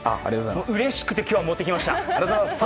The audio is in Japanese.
僕、うれしくて今日は持ってきました。